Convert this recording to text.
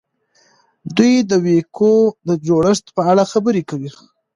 دوی د وییکو د جوړښت په اړه خبرې کوي.